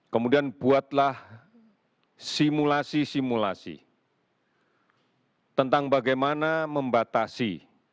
kemudian buatlah simulasi simulasi tentang bagaimana membatasi